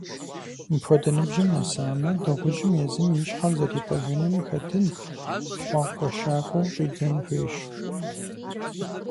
Мыпхуэдэ ныбжьым нэсамэ, дыгъужьым езым и щхьэр зэрипӀыжыным хэтын, хъуакӀуэщакӀуэу щӀидзэн хуейщ.